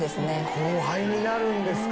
後輩になるんですか。